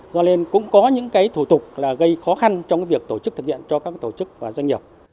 do nên cũng có những cái thủ tục là gây khó khăn trong việc tổ chức thực hiện cho các tổ chức và doanh nghiệp